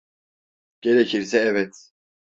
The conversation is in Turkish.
Gerekirse evet.